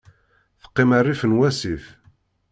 Teqqim rrif n wasif.